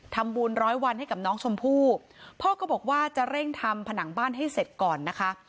ร้อยวันให้กับน้องชมพู่พ่อก็บอกว่าจะเร่งทำผนังบ้านให้เสร็จก่อนนะคะ